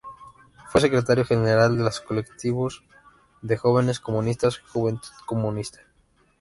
Fue Secretario General de los Colectivos de Jóvenes Comunistas-Juventud Comunista.